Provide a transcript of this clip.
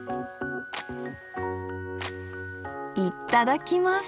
いっただきます！